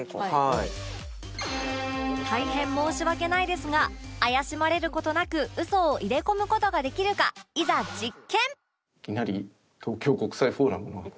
大変申し訳ないですが怪しまれる事なくウソを入れ込む事ができるかいざ実験！